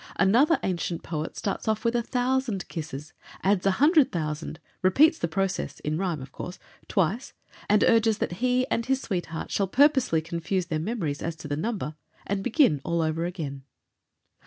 Another ancient poet starts off with a thousand kisses, adds a hundred thousand, repeats the process (in rhyme, of course) twice, and urges that he and his sweetheart shall purposely confuse their memories as to the number and begin all over again.